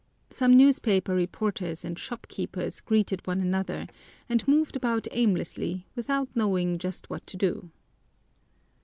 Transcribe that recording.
Some newspaper reporters and shopkeepers greeted one another and moved about aimlessly without knowing just what to do.